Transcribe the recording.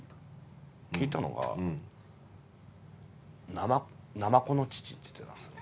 聞いたのがナマコの父つってたんですよ。